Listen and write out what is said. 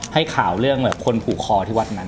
ให้ข่าวเรื่องแบบคนผูกคอที่วัดนั้น